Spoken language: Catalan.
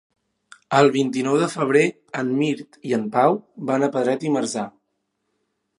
El vint-i-nou de febrer en Mirt i en Pau van a Pedret i Marzà.